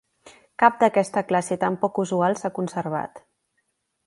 Cap d'aquesta classe tan poc usual s'ha conservat.